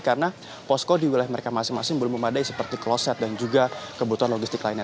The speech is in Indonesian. karena posko di wilayah mereka masing masing belum memadai seperti kloset dan juga kebutuhan logistik lainnya